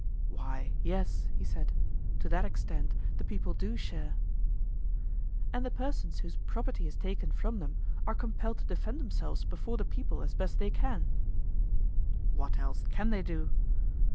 Why, yes, he said, to that extent the people do share. And the persons whose property is taken from them are compelled to defend themselves before the people as they best can? What else can they do?